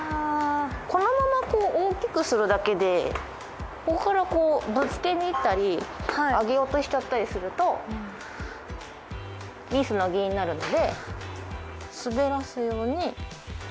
このまま大きくするだけでここからぶつけにいったり上げようとしちゃったりするとミスの原因になるので滑らすように。